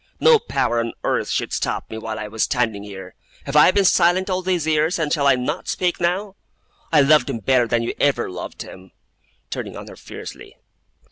No power on earth should stop me, while I was standing here! Have I been silent all these years, and shall I not speak now? I loved him better than you ever loved him!' turning on her fiercely.